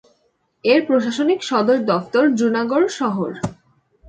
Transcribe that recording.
এর প্রশাসনিক সদর দফতর জুনাগড় শহর।